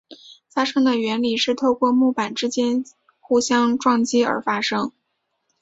发声的原理是透过木板之间互相撞击而发声。